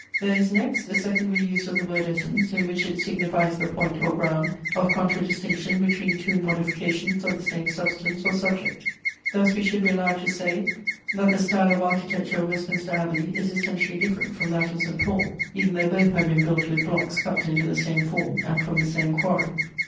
There is, next, a secondary use of the word essence, in which it signifies the point or ground of contra distinction between two modifications of the same substance or subject. Thus we should be allowed to say, that the style of architecture of Westminster Abbey is essentially different from that of St. Paul, even though both had been built with blocks cut into the same form, and from the same quarry.